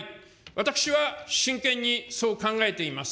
私は真剣にそう考えています。